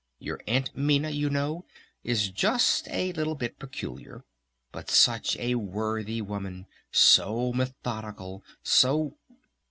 Your Aunt Minna, you know, is just a little bit peculiar! But such a worthy woman! So methodical! So...."